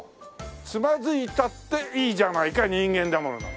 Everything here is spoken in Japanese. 「つまづいたっていいじゃないかにんげんだもの」